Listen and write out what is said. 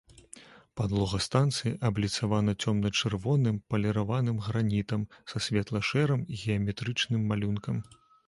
Падлога станцыі абліцавана цёмна-чырвоным паліраваным гранітам са светла-шэрым геаметрычным малюнкам.